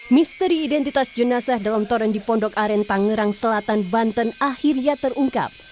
misteri identitas jenazah dalam toren di pondok aren tangerang selatan banten akhirnya terungkap